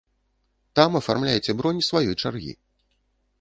Там афармляеце бронь сваёй чаргі.